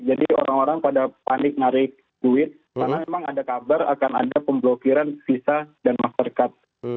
jadi orang orang pada panik menarik duit karena memang ada kabar akan ada pemblokiran visa dan mastercard